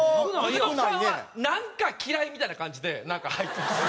福徳さんはなんか嫌いみたいな感じで入ってました。